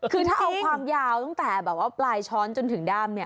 คือถ้าเอาความยาวตั้งแต่แบบว่าปลายช้อนจนถึงด้ามเนี่ย